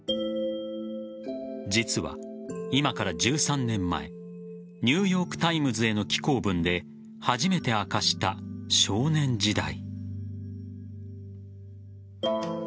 実は今から１３年前ニューヨーク・タイムズへの寄稿文で初めて明かした少年時代。